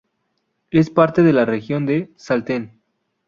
Es parte de la región de Salten.